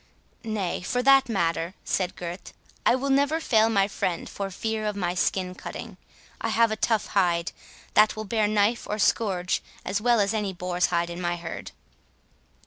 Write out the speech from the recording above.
"Nay, for that matter," said Gurth, "I will never fail my friend for fear of my skin cutting. I have a tough hide, that will bear knife or scourge as well as any boar's hide in my herd."